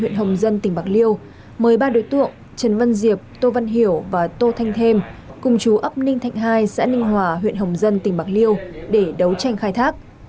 trần văn diệp tô văn hiểu và tô thanh thêm cùng chú ấp ninh thạnh hai xã ninh hòa huyện hồng dân tỉnh bạc liêu để đấu tranh khai thác